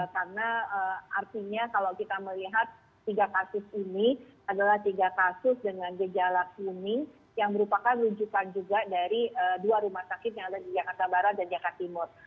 karena artinya kalau kita melihat tiga kasus ini adalah tiga kasus dengan gejala kuning yang merupakan rujukan juga dari dua rumah sakit yang ada di jakarta barat dan jakarta timur